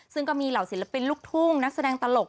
ซึ่งก็มีเหล่าศิลปินลูกทุ่งนักแสดงตลก